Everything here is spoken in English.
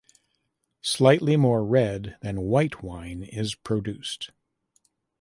Slightly more red than white wine is produced.